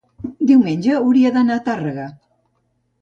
diumenge hauria d'anar a Tàrrega.